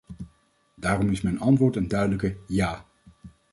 Daarom is mijn antwoord een duidelijk 'ja'.